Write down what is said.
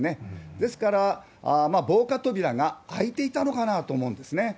ですから、防火扉が開いていたのかなと思うんですね。